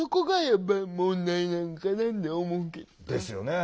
ですよね。